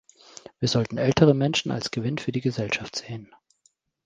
Wir sollten ältere Menschen als Gewinn für die Gesellschaft sehen.